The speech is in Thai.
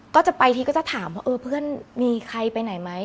ก็จะไปทีก็จะถามว่าเออเพื่อนมีใครไปไหนไหม